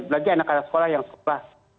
lagi anak anak sekolah yang sekolah